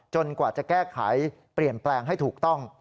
กว่าจะแก้ไขเปลี่ยนแปลงให้ถูกต้อง